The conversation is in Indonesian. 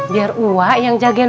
biar uak yang jagain